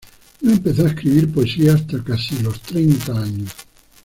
No empezó a escribir poesía hasta casi los treinta años.